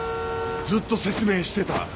ずっと説明してた！